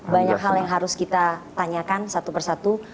banyak hal yang harus kita tanyakan satu persatu